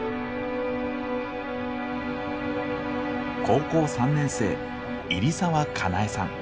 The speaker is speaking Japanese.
高校３年生入澤佳苗さん。